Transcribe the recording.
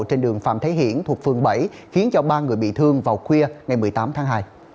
trên đường phạm thế hiển thuộc phường bảy khiến cho ba người bị thương vào khuya ngày một mươi tám tháng hai